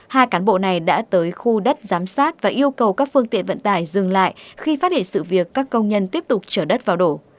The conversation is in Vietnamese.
hai cán bộ này đã tới khu đất giám sát và yêu cầu các phương tiện vận tải dừng lại khi phát hiện sự việc các công nhân tiếp tục chở đất vào đổ